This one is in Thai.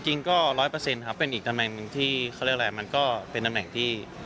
จริงก็ร้อยประเซนต์ครับเป็นอีกทำเนิ้งหนึ่งที่เขาแม่นมันก็เป็นแบบแหล่งที่